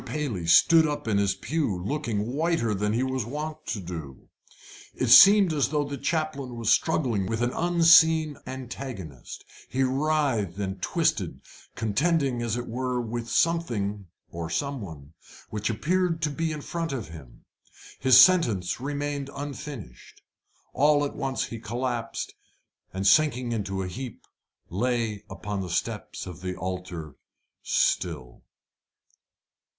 Paley stood up in his pew, looking whiter than he was wont to do. It seemed as though the chaplain was struggling with an unseen antagonist. He writhed and twisted, contending, as it were, with something or some one which appeared to be in front of him. His sentence remained unfinished. All at once he collapsed, and, sinking into a heap, lay upon the steps of the altar still.